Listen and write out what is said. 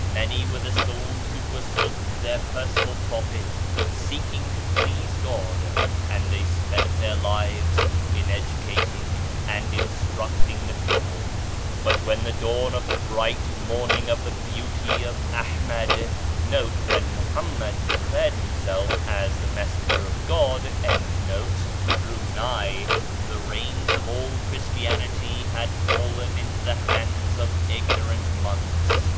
Many were the souls who forsook their personal profit, seeking to please God, and they spent their lives in educating and instructing the people. But when the dawn of the bright morning of the 97 Digitized by Google MYSTERIOUS FORCES Beauty of Ahmad * drew nigh, the reins of all Christianity had fallen into the hands of ignorant monks.